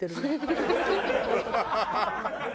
ハハハハ！